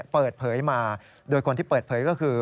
เปิดเผยมาโดยคนที่เปิดเผยก็คือ